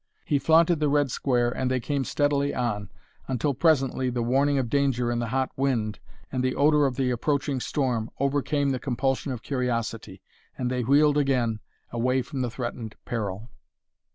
He flaunted the red square and they came steadily on, until presently the warning of danger in the hot wind and the odor of the approaching storm overcame the compulsion of curiosity, and they wheeled again, away from the threatened peril.